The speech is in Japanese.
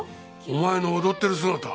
お前の踊ってる姿。